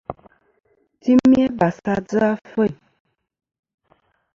Timi abàs a dzɨ afêyn.